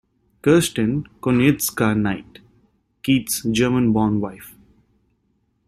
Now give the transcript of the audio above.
"Kerstin Konietzka-Knight" - Keith's German-born wife.